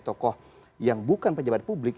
tokoh yang bukan pejabat publik